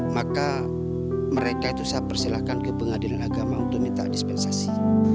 maka mereka itu saya persilahkan ke pengadilan agama untuk minta dispensasi